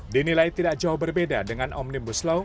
dinilai tidak jauh berbeda dengan omnibus law